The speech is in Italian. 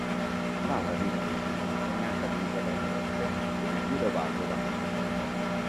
Laura divenne quindi cognata di Isabella d'Este e di Guidobaldo da Montefeltro.